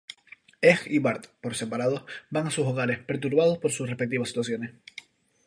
Egg y Bart, por separado, van a sus hogares, perturbados por sus respectivas situaciones.